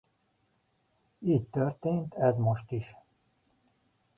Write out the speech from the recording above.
Így történt ez most is.